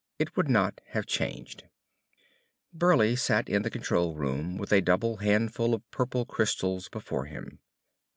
It would not have changed. Burleigh sat in the control room with a double handful of purple crystals before him.